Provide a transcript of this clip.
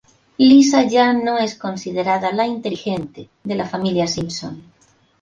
Lisa ya no es considerada "la inteligente" de la familia Simpson.